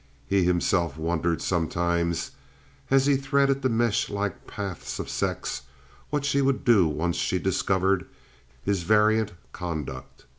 He himself wondered sometimes, as he threaded the mesh like paths of sex, what she would do once she discovered his variant conduct.